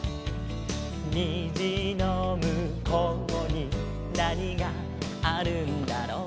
「にじのむこうになにがあるんだろう」